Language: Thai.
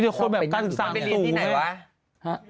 มีแต่คนแบบการสร้างศูนย์ไหม